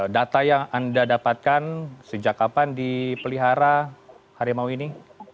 data yang anda dapatkan sejak kapan dipelihara harimau ini